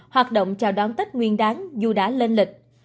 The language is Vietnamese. hoạt động chào đón tết nguyên đáng dù đã lên lịch